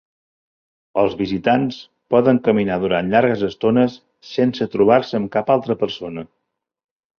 Els visitants poden caminar durant llargues estones sense trobar-se amb cap altre persona.